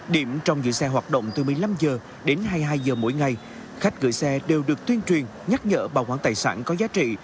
điểm trong giữ xe hoạt động từ một mươi năm h đến hai mươi hai h mỗi ngày khách gửi xe đều được tuyên truyền nhắc nhở bảo quản tài sản có giá trị